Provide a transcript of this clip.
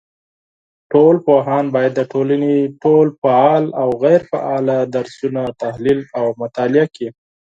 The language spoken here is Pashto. ټولنپوهان بايد د ټولني ټول فعال او غيري فعاله درځونه تحليل او مطالعه کړي